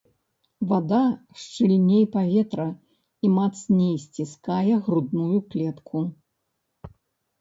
Вада шчыльней паветра і мацней сціскае грудную клетку.